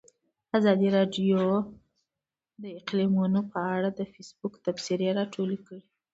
ازادي راډیو د اقلیتونه په اړه د فیسبوک تبصرې راټولې کړي.